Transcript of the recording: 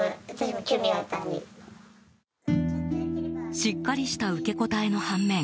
しっかりした受け答えの半面